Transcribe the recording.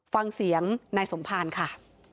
ฟังเสียงนายสมภารค่ะ